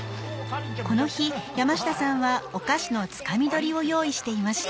この日山下さんはお菓子のつかみ取りを用意していました。